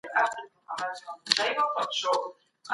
سم نیت بریالیتوب نه دروي.